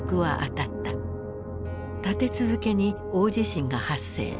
立て続けに大地震が発生。